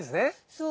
そう。